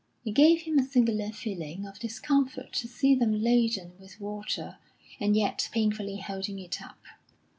It gave him a singular feeling of discomfort to see them laden with water, and yet painfully holding it up.